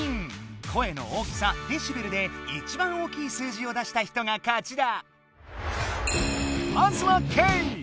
声の大きさデシベルで一番大きい数字を出した人が勝ちだ。